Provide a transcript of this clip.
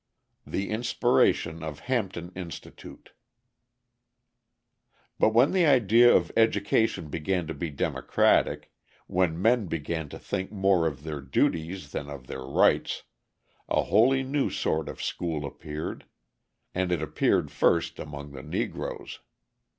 The Inspiration of Hampton Institute But when the idea of education began to be democratic, when men began to think more of their duties than of their rights, a wholly new sort of school appeared; and it appeared first among the Negroes.